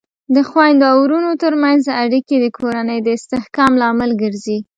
د خویندو او ورونو ترمنځ اړیکې د کورنۍ د استحکام لامل ګرځي.